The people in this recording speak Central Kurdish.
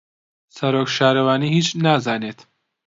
سەرۆک شارەوانی هیچ نازانێت.